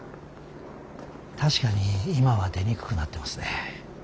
確かに今は出にくくなってますね。